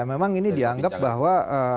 memang ini dianggap bahwa